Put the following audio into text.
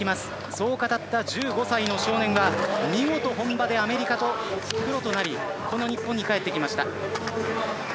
そう語った１５歳の少年は見事本場でアメリカプロとなりこの日本に帰ってきました。